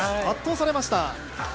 圧倒されました。